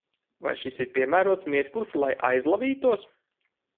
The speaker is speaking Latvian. Vai šis ir piemērots mirklis, lai aizlavītos?